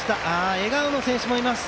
笑顔の選手もいます。